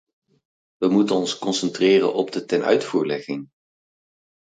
We moeten ons concentreren op de tenuitvoerlegging.